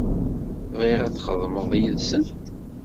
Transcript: Bɣiɣ ad txedmeḍ yid-sent.